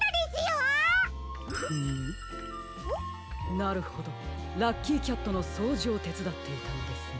なるほどラッキーキャットのそうじをてつだっていたのですね。